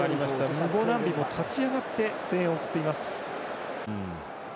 ムボナンビも立ち上がって声援を送っています。